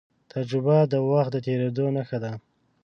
تجربه د وخت د تېرېدو نښه ده.